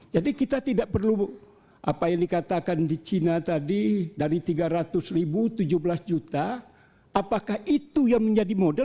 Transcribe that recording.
jadi kita tidak perlu apa yang dikatakan di cina tadi dari tiga ratus ribu tujuh belas juta apakah itu yang menjadi model